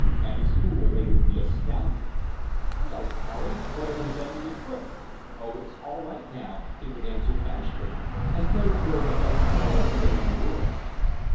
At school they would be astounded. "Hulloa, Carey, what have you done with your foot?" "Oh, it's all right now," he would answer casually, as though it were the most natural thing in the world.